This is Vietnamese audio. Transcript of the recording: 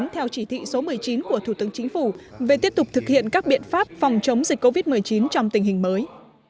theo chỉ thị số một mươi chín của thủ tướng chính phủ về tiếp tục thực hiện các biện pháp phòng chống dịch covid một mươi chín trong tình hình mới